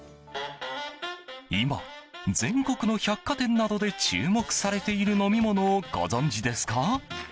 今、全国の百貨店などで注目されている飲み物をご存じですか？